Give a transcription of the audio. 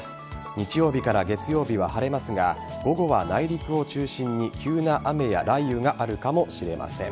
日曜日から月曜日は晴れますが午後は内陸を中心に急な雨や雷雨があるかもしれません。